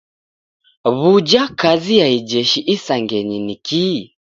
W'uja kazi ya ijeshi isangenyi ni kii?